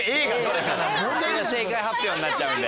正解発表になっちゃうんで。